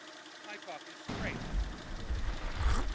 "My talk is straight," Negore said.